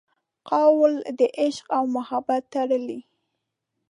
قول د عشق او محبت تړلي